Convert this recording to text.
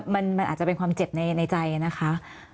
มันอาจจะเป็นความเจ็บในใจนะคะ